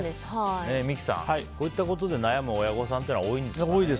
三木さん、こういったことで悩む親御さんは多いです。